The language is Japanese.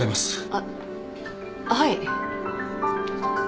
あっはい。